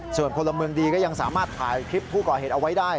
ส่วนพลเมืองดีก็ยังสามารถถ่ายคลิปผู้ก่อเหตุเอาไว้ได้